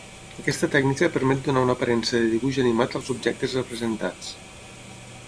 Aquesta tècnica permet donar una aparença de dibuix animat als objectes representats.